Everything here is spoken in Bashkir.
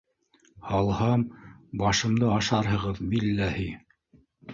Һалһам — башымды ашарһығыҙ, билләһи!